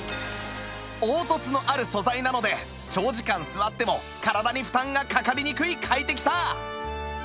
凹凸のある素材なので長時間座っても体に負担がかかりにくい快適さ！